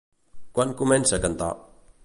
Quan comença a cantar?